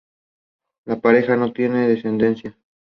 La pareja no tiene descendencia.